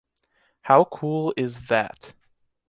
How cool is that?